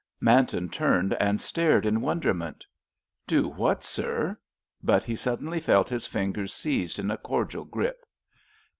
Manton turned and stared in wonderment. "Do what, sir?" But he suddenly felt his fingers seized in a cordial grip.